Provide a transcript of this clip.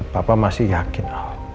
papa masih yakin